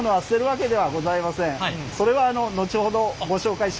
それは後ほどご紹介します。